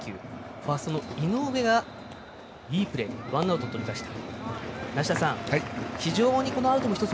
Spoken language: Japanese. ファーストの井上がいいプレーでワンアウトをとりました。